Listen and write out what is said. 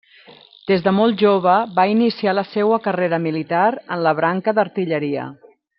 Des de molt jove va iniciar la seua carrera militar en la branca d'artilleria.